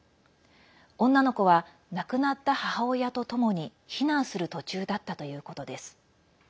女の子は亡くなった母親とともに避難する途中だったということです。